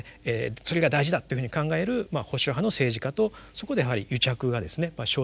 それが大事だっていうふうに考える保守派の政治家とそこでやはり癒着がですね生じやすい。